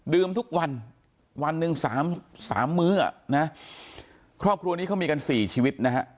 ทุกวันวันหนึ่งสามสามมื้ออ่ะนะครอบครัวนี้เขามีกันสี่ชีวิตนะฮะ